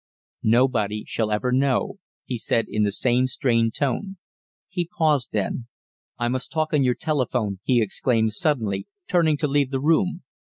"Nobody shall ever know," he said in the same strained tone. He paused, then: "I must talk on your telephone," he exclaimed suddenly, turning to leave the room.